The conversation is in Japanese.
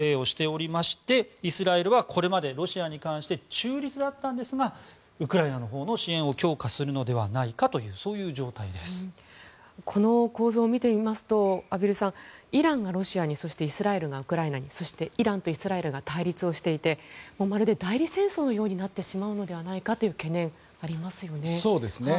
ウクライナはイスラエルに支援要請をしておりましてイスラエルは、これまでロシアに関して中立だったんですがウクライナのほうの支援を強化するのではないかというこの構造を見てみますと畔蒜さん、イランがロシアにそしてイスラエルがウクライナにそしてイランとイスラエルが対立をしていてまるで代理戦争のようになってしまうのではないかという懸念がありますよね。